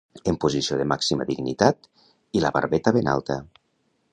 En posició de màxima dignitat i la barbeta ben alta.